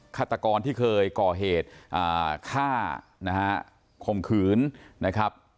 ฆาตกรที่เคยก่อเหตุฆ่านะฮะข่มขืนนะครับ